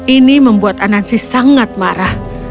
ini membuat anansi sangat marah